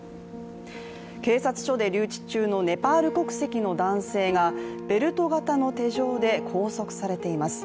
警察署で留置中のネパール国籍の男性が、ベルト型の手錠で拘束されています。